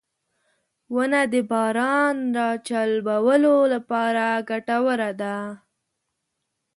• ونه د باران راجلبولو لپاره ګټوره ده.